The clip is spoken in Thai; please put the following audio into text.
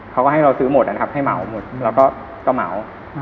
เขาก็ให้เราซื้อหมดนะครับให้เหมาหมดแล้วก็เหมา